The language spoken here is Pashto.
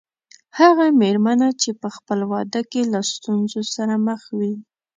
هغه مېرمنه چې په خپل واده کې له ستونزو سره مخ وي.